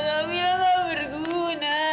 kamila nggak berguna